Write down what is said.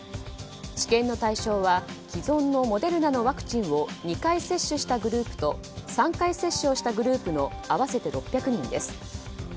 治験の対象は既存のモデルナのワクチンを２回接種したグループと３回接種をしたグループの合わせて６００人です。